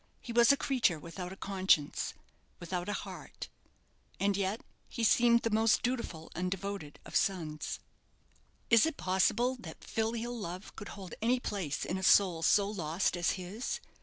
He was a creature without a conscience without a heart. And yet he seemed the most dutiful and devoted of sons. Is it possible that filial love could hold any place in a soul so lost as his?